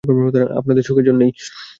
আপনাদের সুখের জন্যই।